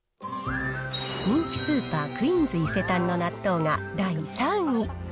人気スーパー、クイーンズ伊勢丹の納豆が第３位。